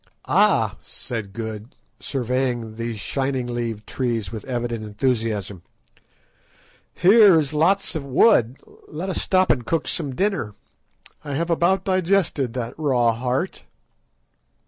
"Ah!" said Good, surveying these shining leaved trees with evident enthusiasm, "here is lots of wood, let us stop and cook some dinner; I have about digested that raw heart."